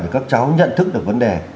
để các cháu nhận thức được vấn đề